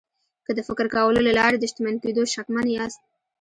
که د فکر کولو له لارې د شتمن کېدو شکمن یاست